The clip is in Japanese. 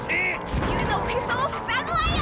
地球のおへそを塞ぐわよ！